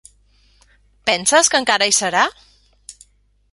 Penses que encara hi serà?